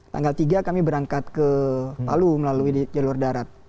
tanggal tiga kami berangkat ke palu melalui jalur darat